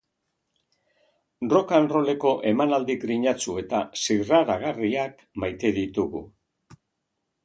Rock-and-rolleko emanaldi grinatsu eta zirraragarriak maite ditugu.